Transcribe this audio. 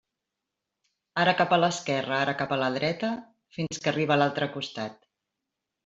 Ara cap a l'esquerra, ara cap a la dreta, fins que arriba a l'altre costat.